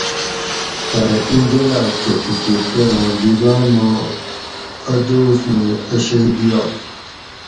پرہ اِیں جولاگ کہ فکر کرۤ اُوں ڈیبا ما اَ دوس مئ اَ شئ دیائ